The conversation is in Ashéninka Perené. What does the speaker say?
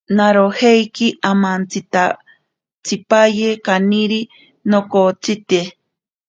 Narojeiki amanantantsipaye kaniri nokotsite.